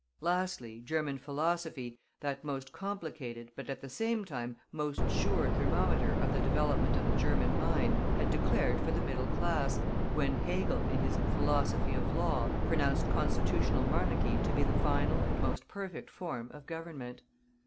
Lastly, German philosophy, that most complicated, but at the same time most sure thermometer of the development of the German mind, had declared for the middle class, when Hegel in his "Philosophy of Law" pronounced Constitutional Monarchy to be the final and most perfect form of government.